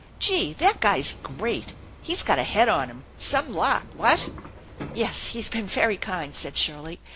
" Gee ! That guy's great. He's got a head on him. Some lark, what?" " Yes, he's been very kind," said Shirley.